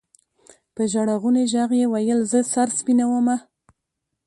په ژړغوني ږغ يې ويل زه سر سپينومه.